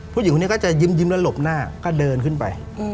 ผู้หญิงคนนี้ก็จะยิ้มแล้วหลบหน้าก็เดินขึ้นไป